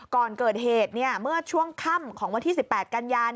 ก่อนเกิดเหตุเมื่อช่วงค่ำของวันที่๑๘กันยา